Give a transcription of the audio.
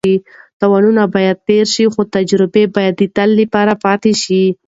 تاوانونه به تېر شي خو ستا تجربه به د تل لپاره پاتې شي.